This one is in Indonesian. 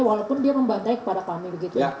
walaupun dia membantai kepada kami begitu ya